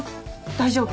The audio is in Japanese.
大丈夫？